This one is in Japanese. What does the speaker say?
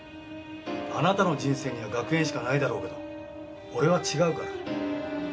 あなたの人生には学園しかないだろうけど俺は違うから。